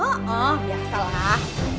oh oh biasalah